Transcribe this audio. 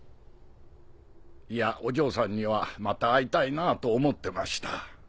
いやお嬢さんにはまた会いたいなぁと思ってました。